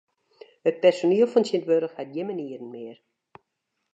It personiel fan tsjintwurdich hat gjin manieren mear.